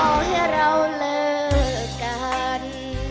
ขอให้เราเลิกกัน